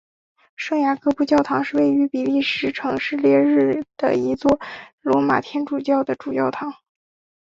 圣雅各布教堂是位于比利时城市列日的一座罗马天主教的主教座堂。